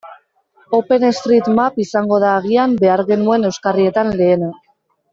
OpenStreetMap izango da agian behar genuen euskarrietan lehena.